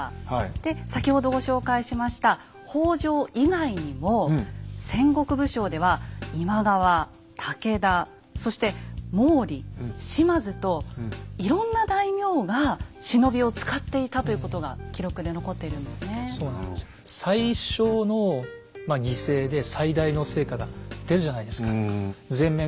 で先ほどご紹介しました北条以外にも戦国武将では今川武田そして毛利島津といろんな大名が忍びを使っていたということが記録で残っているんですね。っていうことだったんじゃないかなと思うんですよ。